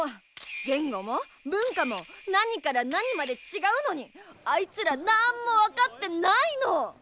言語も文化も何から何まで違うのにあいつらなんも分かってないの！